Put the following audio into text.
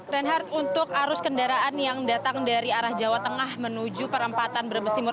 reinhardt untuk arus kendaraan yang datang dari arah jawa tengah menuju perempatan brebes timur